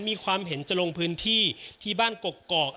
มีความเห็นจะลงพื้นที่ที่บ้านกกอก